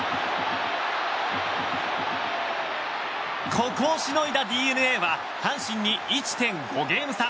ここをしのいだＤｅＮＡは阪神に１．５ゲーム差。